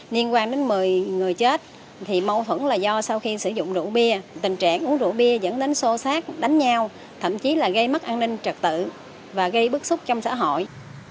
liên quan đến một mươi người chết thì mâu thuẫn là do sau khi sử dụng rượu bia tình trạng uống rượu bia dẫn đến xô xát đánh nhau thậm chí là gây mất an ninh trật tự và gây bức xúc trong xã hội